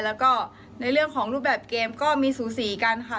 แล้วก็ในเรื่องของรูปแบบเกมก็มีสูสีกันค่ะ